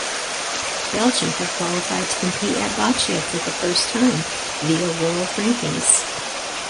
Belgium have qualified to compete at boccia for the first time via world rankings.